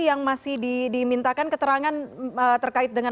yang masih dimintakan keterangan terkait dengan